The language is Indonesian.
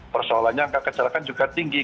persoalannya angka kecelakaan juga tinggi